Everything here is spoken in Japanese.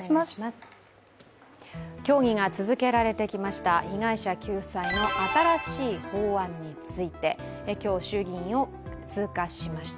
協議が続けられてきました被害者救済の新しい法案について今日、衆議院を通過しました。